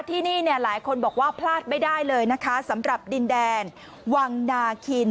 ที่นี่เนี่ยหลายคนบอกว่าพลาดไม่ได้เลยนะคะสำหรับดินแดนวังนาคิน